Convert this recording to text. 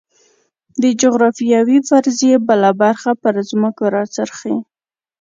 د جغرافیوي فرضیې بله برخه پر ځمکو راڅرخي.